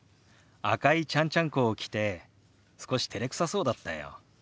赤いちゃんちゃんこを着て少してれくさそうだったよ。